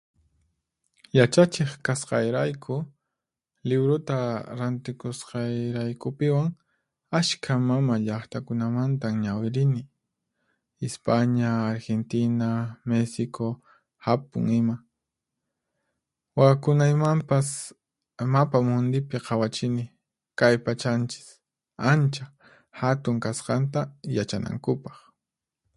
Yachachiq kasqayrayku, liwruta rantikusqayraykupiwan, ashkha mama llaqtakunamantan ñawirini: Ispaña, Arhintina, Misiku, Hapun ima. Wawakunaymanpas mapa mundipi qhawachini, kay pachanchis ancha hatun kasqanta yachanankupaq.